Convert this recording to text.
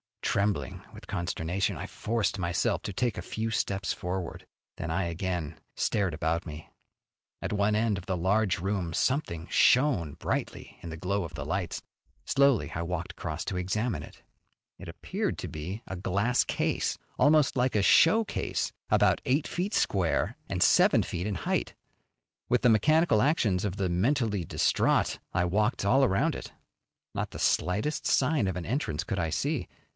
Trembling with consternation I forced myself to take a few steps forward, then I again stared about me. At one end of the large room something shone brightly in the glow of the lights. Slowly I walked across to examine it: it appeared to be a glass case, almost like a show case, about eight feet square and seven feet in height. With the mechanical actions of the mentally distraught I walked all around it. Not the slightest sign of an entrance could I see.